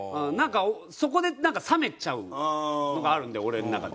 そこでなんか冷めちゃうのがあるので俺の中で。